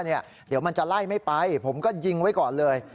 เดี๋ยวมันจะไล่ไม่ไปผมก็ยิงไว้ก่อนเลย